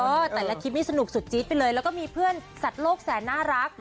แต่ละคลิปนี้สนุกสุดจี๊ดไปเลยแล้วก็มีเพื่อนสัตว์โลกแสนน่ารัก